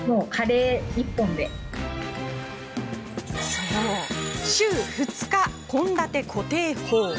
そう、週２日献立固定法。